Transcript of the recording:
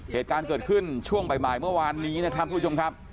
เหตุการณ์เกิดขึ้นช่วงบ่ายเมื่อวานนี้นะครับทุกผู้ชมครับ